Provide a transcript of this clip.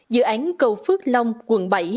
dự án cầu phước long quận bảy